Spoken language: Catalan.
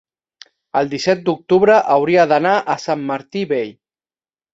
el disset d'octubre hauria d'anar a Sant Martí Vell.